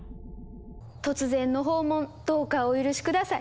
突然の訪問どうかお許し下さい。